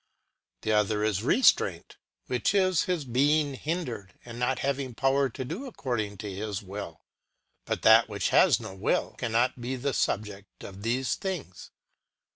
The other is restraint ; which is SECT. V. AND OF MORAL AGENCY. 51 his being hindered, and not having power to do according to his will. But that which has no will, cannot be the subject of these things.